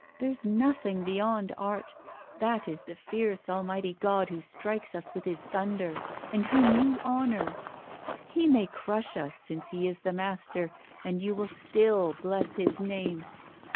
There's nothing beyond Art, that is the fierce almighty god who strikes us with his thunder, and whom you honour! he may crush us, since he is the master, and you will still bless his name!